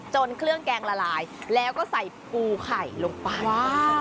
เครื่องแกงละลายแล้วก็ใส่ปูไข่ลงไป